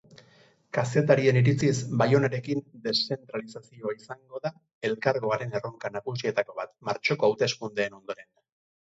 Kazetarien iritziz baionarekin deszentralizazioa izango da elkargoaren erronka nagusietako bat martxoko hauteskundeen ondoren.